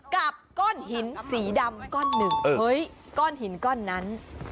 กับก้อนหินสีดำก้อนหนึ่งเฮ้ยก้อนหินก้อนนั้น